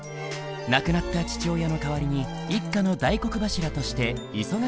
亡くなった父親の代わりに一家の大黒柱として忙しい日々を送っていた。